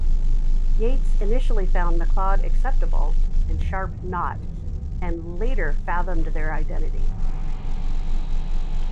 Yeats initially found Macleod acceptable and Sharp not, and later fathomed their identity.